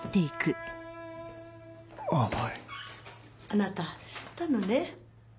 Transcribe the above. あなた知ったのね。